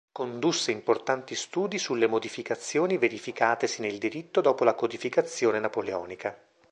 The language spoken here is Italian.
Condusse importanti studi sulle modificazioni verificatesi nel diritto dopo la codificazione napoleonica.